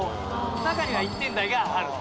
中には１点台がある。